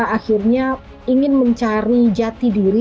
akhirnya ingin mencari jati diri